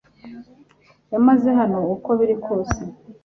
Yamaze hano uko biri kose